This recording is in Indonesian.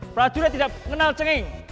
prajurit tidak mengenal cengeng